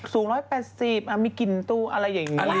สูง๑๘๐คุณอบมีกินตู้อะไรอย่างงี้